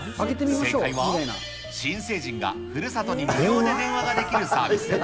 正解は、新成人がふるさとに無料で電話ができるサービス。